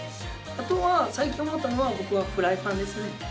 あとは、最近思ったのは、僕はやっぱりフライパンですね。